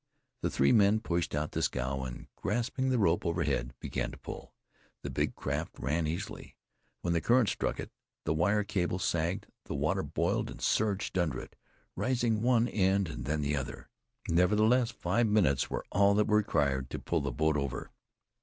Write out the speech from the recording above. The three men pushed out the scow, and grasping the rope overhead, began to pull. The big craft ran easily. When the current struck it, the wire cable sagged, the water boiled and surged under it, raising one end, and then the other. Nevertheless, five minutes were all that were required to pull the boat over.